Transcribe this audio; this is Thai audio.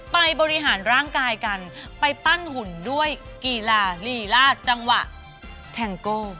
บริหารร่างกายกันไปปั้นหุ่นด้วยกีฬาลีลาดจังหวะแทงโก้